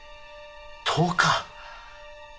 １０日。